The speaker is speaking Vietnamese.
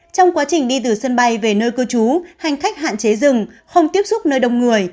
trong quá trình đi từ sân bay về nơi cư trú hành khách hạn chế dừng không tiếp xúc nơi đông người